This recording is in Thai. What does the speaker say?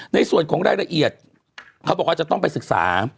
ในส่วนของรายละเอียดเขาบอกว่าจะต้องไปศึกษา